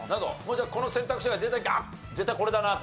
じゃあこの選択肢が出て「あっ絶対これだな」と。